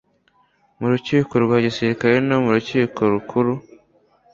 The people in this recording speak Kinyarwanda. mu rukiko rwa gisirikare no mu rukiko rukuru